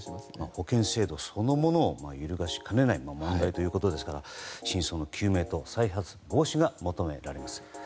保険制度そのものを揺るがしかねない問題ということですから真相の究明と再発防止が求められます。